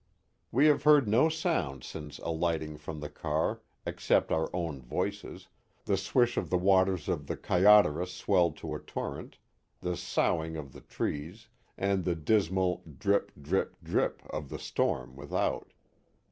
We have heard no sound since aligliting from the car, except our own voices, the swish of the waters of the Kaya deros swelled to a torrent, the soughing of the trees, and the dismal drip, drip, drip of the storm without.